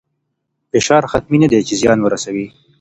فشار حتمي نه دی چې زیان ورسوي.